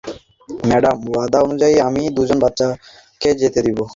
Madam, ওয়াদা অনুযায়ী, আমি দুইজন বাচ্চাকে যেতে দেবো।